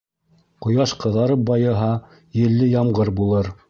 Ҡояш ҡыҙарып байыһа, елле ямғыр булыр.